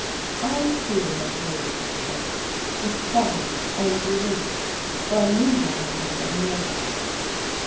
I, too, had noticed this, with pride and relief. For I knew Maude had been nervous.